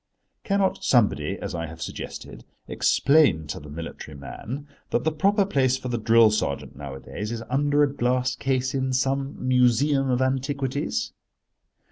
Cannot somebody, as I have suggested, explain to the military man that the proper place for the drill sergeant nowadays is under a glass case in some museum of antiquities?